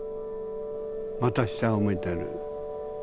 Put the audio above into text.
また下を向いてる。